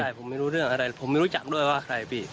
ใช่ผมไม่รู้เรื่องอะไรผมไม่รู้จักด้วยว่าใครพี่